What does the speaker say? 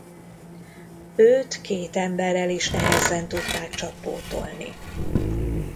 Őt két emberrel is nehezen tudták csak pótolni.